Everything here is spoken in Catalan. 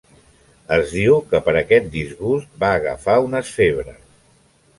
Es diu que per aquest disgust va agafar unes febres.